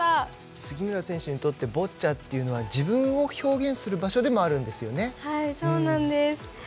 杉村選手にとってボッチャっていうのは自分を表現する場所でもあるんですよね。